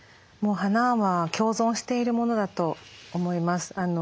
もう花は共存しているものだと思います。